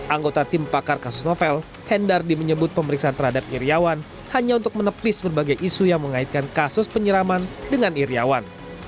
anggota tim pakar kasus novel hendardi menyebut pemeriksaan terhadap iryawan hanya untuk menepis berbagai isu yang mengaitkan kasus penyiraman dengan iryawan